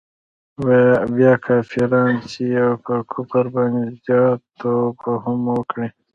بیا کافران سي او پر کفر باندي زیات توب هم وکړي.